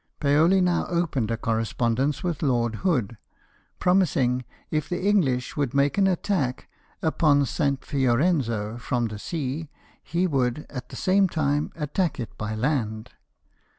Paoli now opened a correspondence with Lord Hood, promising if the English would make an attack upon St. Fiorenzo from the sea, he would, at the same time, attack it by land.